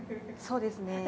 そうですね。